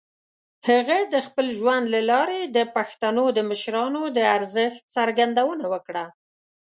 هغه د خپل ژوند له لارې د پښتنو د مشرانو د ارزښت څرګندونه وکړه.